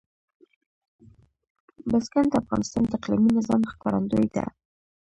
بزګان د افغانستان د اقلیمي نظام ښکارندوی ده.